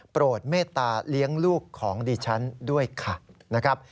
โปรดเมตตาเลี้ยงลูกของดิฉันด้วยค่ะนะครับ